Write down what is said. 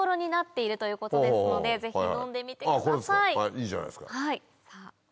いいじゃないですか。